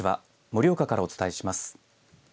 盛岡からお伝えします。